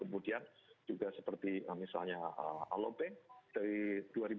kemudian juga seperti misalnya alobank dari dua ribu dua puluh